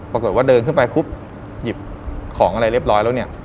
ปรากฏว่าเดินขึ้นไปปุ๊บหยิบของอะไรเรียบร้อยแล้วเนี่ย